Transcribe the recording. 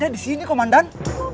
tadinya di sini komandan